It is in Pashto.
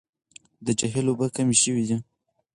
د جهيل اوبه کمې شوې دي.